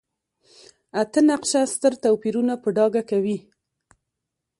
اته نقشه ستر توپیرونه په ډاګه کوي.